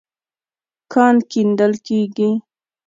کان کيندل کېږي.